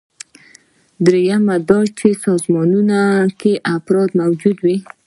دریم دا چې په سازمان کې افراد موجود وي.